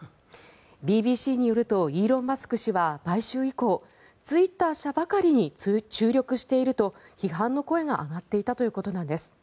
ＢＢＣによるとイーロン・マスク氏は買収以降ツイッター社ばかりに注力していると批判の声が上がっていたということなんです。